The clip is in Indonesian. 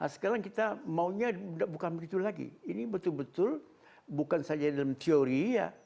sekarang kita maunya bukan begitu lagi ini betul betul bukan saja dalam teori ya